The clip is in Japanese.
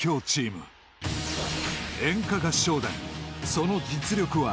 ［その実力は］